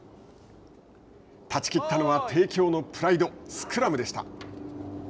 断ち切ったのは「帝京のプライド」スクラムでした。